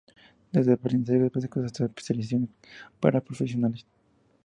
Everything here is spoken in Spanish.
Desde aprendizajes básicos hasta especializaciones para profesionales.